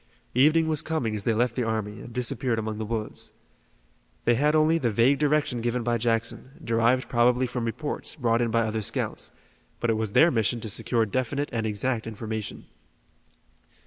Evening was coming as they left the army, and disappeared among the woods. They had only the vague direction given by Jackson, derived probably from reports, brought in by other scouts, but it was their mission to secure definite and exact information.